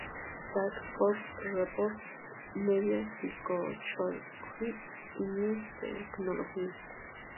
Task force report: Media psychology and new technologies.